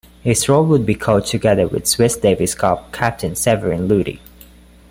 His role would be coach together with Swiss Davis Cup Captain Severin Luthi.